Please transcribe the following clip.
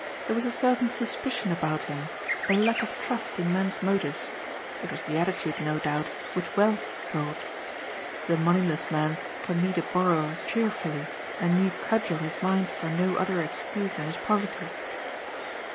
There was a certain suspicion about him, a lack of trust in men's motives. It was the attitude no doubt which wealth brought. The moneyless man can meet a borrower cheerfully and need cudgel his mind for no other excuse than his poverty.